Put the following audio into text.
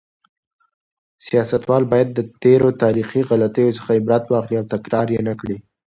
سیاستوال باید د تېرو تاریخي غلطیو څخه عبرت واخلي او تکرار یې نکړي.